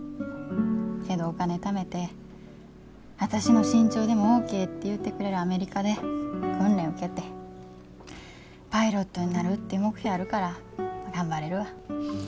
けどお金ためて私の身長でもオッケーって言うてくれるアメリカで訓練受けてパイロットになるって目標あるから頑張れるわ。